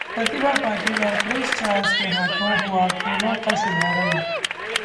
प्रतिभा पाटिल और prince Charles के हाथों हुआ खेलों का शुभारंभ